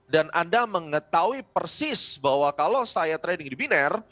dan anda mengetahui persis bahwa kalau saya trading di binar